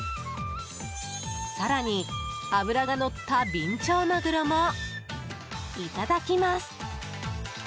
更に、脂がのったびん長マグロもいただきます。